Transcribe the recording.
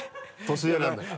年上なんだから。